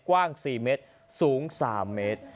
กว้าง๔เมตรสูง๓เมตร